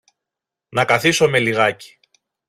Να καθίσομε λιγάκι.